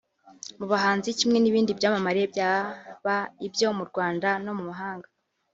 Mu bahanzi kimw n’ibindi byamamare byaba ibyo mu Rwanda no mu mahanga